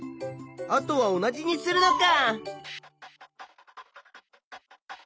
あとは同じにするのか。